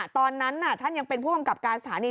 ตอนนั้นท่านยังเป็นผู้กำกับการสถานี